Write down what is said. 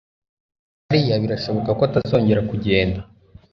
Uwamariya birashoboka ko atazongera kugenda.